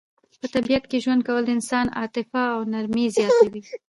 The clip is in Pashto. په طبیعت کې ژوند کول د انسان عاطفه او نرمي زیاتوي.